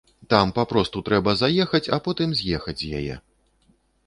Там папросту трэба заехаць, а потым з'ехаць з яе.